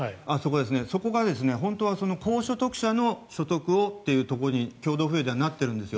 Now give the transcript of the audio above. そこが本当は高所得者の所得をということに共同富裕ではなっているんです。